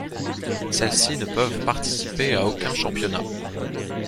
Celles-ci ne peuvent participer à aucun championnat.